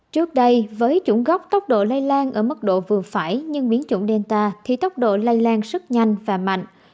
trước đây với chủng góc tốc độ lây lan ở mức độ vừa phải nhưng biến chủng delta thì tốc độ lây lan rất nhanh và mạnh